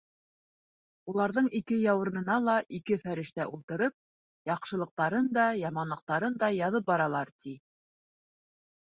Уларҙың ике яурынына ла ике фәрештә ултырып, яҡшылыҡтарын да, яманлыҡтарын да яҙып баралар, ти.